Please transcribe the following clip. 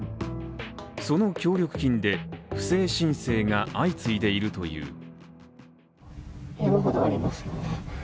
その協力金で、不正申請が相次いでいるという。